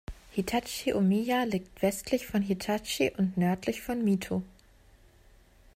Hitachi-Ōmiya liegt westlich von Hitachi und nördlich von Mito.